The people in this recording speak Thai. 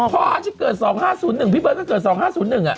พอเกิด๒๕๐๑พี่เบิร์ดก็เกิด๒๕๐๑อ่ะ